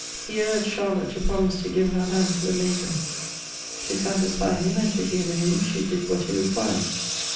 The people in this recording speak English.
He urged Charlotte to promise to give her hand to the Major. To satisfy him and to humor him, she did what he required.